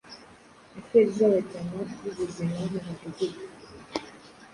affaires z'abajyama bubuzima mumudugudu